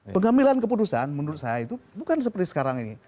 pengambilan keputusan menurut saya itu bukan seperti sekarang ini